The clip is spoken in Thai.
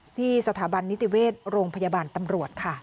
ที่สถาบันนิติเวชโรงพยาบาลตำรวจค่ะ